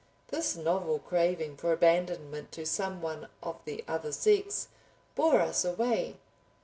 This novel craving for abandonment to some one of the other sex, bore us away.